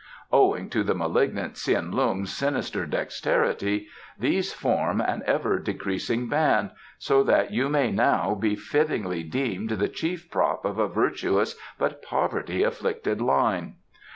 Owing to the malignant Tsin Lung's sinister dexterity these form an ever decreasing band, so that you may now be fittingly deemed the chief prop of a virtuous but poverty afflicted line.